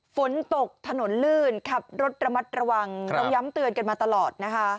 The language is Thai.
ฝนตกถนนลื่นขับรถระมัดระวังเราย้ำเตือนกันมาตลอดนะคะ